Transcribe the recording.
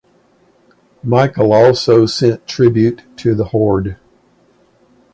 Michael also sent tribute to the Horde.